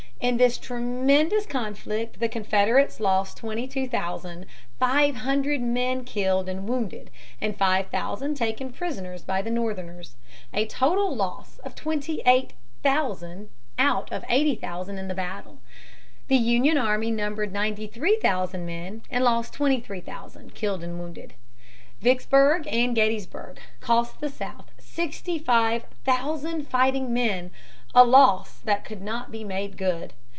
In this tremendous conflict the Confederates lost twenty two thousand five hundred men killed and wounded and five thousand taken prisoners by the Northerners a total loss of twenty eight thousand out of eighty thousand in the battle. The Union army numbered ninety three thousand men and lost twenty three thousand, killed and wounded. Vicksburg and Gettysburg cost the South sixty five thousand fighting men a loss that could not be made good.